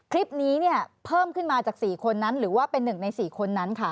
คลิปนี้เนี่ยเพิ่มขึ้นมาจาก๔คนนั้นหรือว่าเป็น๑ใน๔คนนั้นค่ะ